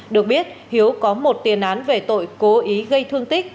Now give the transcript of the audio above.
được biết hiếu có một tiền án về tội cố ý gây thương tích